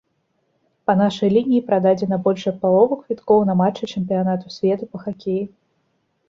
Па нашай лініі прададзена больш за палову квіткоў на матчы чэмпіянату свету па хакеі.